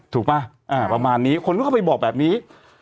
ป่ะประมาณนี้คนก็เข้าไปบอกแบบนี้